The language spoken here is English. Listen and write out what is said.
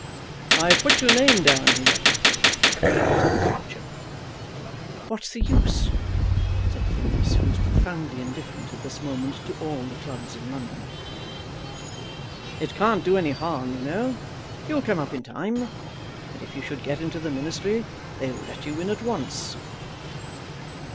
"I have put your name down here," said his lordship. "What's the use?" said Phineas, who was profoundly indifferent at this moment to all the clubs in London. "It can't do any harm, you know. You'll come up in time. And if you should get into the ministry, they'll let you in at once."